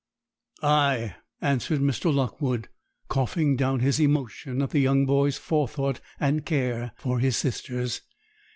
'Ay!' answered Mr. Lockwood, coughing down his emotion at the young boy's forethought and care for his sisters.